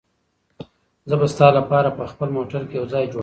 زه به ستا لپاره په خپل موټر کې یو ځای جوړ کړم.